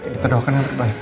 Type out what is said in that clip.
kita doakan yang terbaik